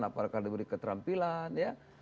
apakah diberi keterampilan